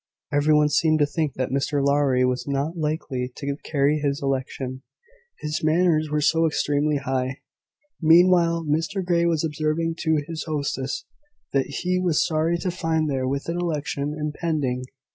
Everyone seemed to think that Mr Lowry was not likely to carry his election, his manners were so extremely high. Meanwhile, Mr Grey was observing to his hostess that he was sorry to find there was an election impending.